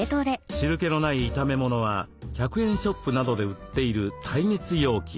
汁けのない炒め物は１００円ショップなどで売っている耐熱容器へ。